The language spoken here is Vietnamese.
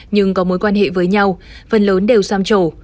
nhưng có mối quan hệ với nhau phần lớn đều sam trổ